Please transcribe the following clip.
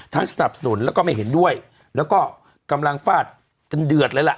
สนับสนุนแล้วก็ไม่เห็นด้วยแล้วก็กำลังฟาดกันเดือดเลยล่ะ